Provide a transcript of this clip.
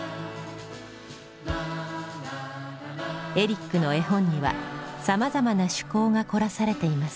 エリックの絵本にはさまざまな趣向が凝らされています。